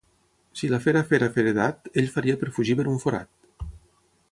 Si la fera féra feredat, ell faria per fugir per un forat.